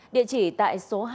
địa chỉ tại số hai